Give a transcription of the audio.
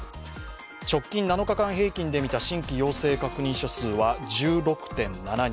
直近７日間平均で見た新規陽性確認者数は１６．７人